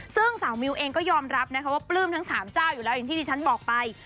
ซึ่งสาวมิวเองก็ยอมรับนะคะว่าปลื้มทั้ง๓เจ้าอยู่แล้วอย่างที่ที่ฉันบอกไป